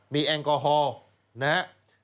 มีแอลกอฮอล์นะครับ